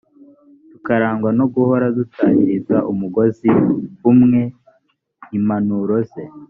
tukarangwa no guhora dutahiriza umugozi umwe. impanuro ze